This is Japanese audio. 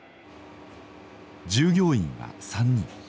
従業員は３人。